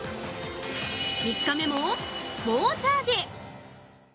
３日目も猛チャージ。